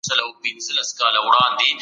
ملتونو به د سولي لپاره هڅي کولې.